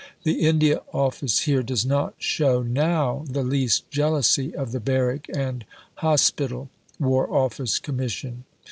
The India Office here does not shew now the least jealousy of the Barrack and Hosp^l. (War Office) Commission.